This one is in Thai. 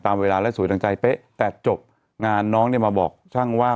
เวลาและสวยดังใจเป๊ะแต่จบงานน้องเนี่ยมาบอกช่างว่า